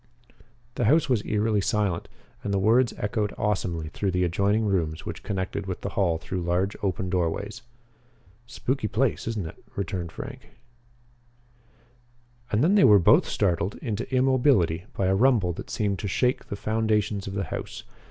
The house was eerily silent and the words echoed awesomely through the adjoining rooms which connected with the hall through large open doorways. "Spooky place, isn't it?" returned Frank. And then they were both startled into immobility by a rumble that seemed to shake the foundations of the house.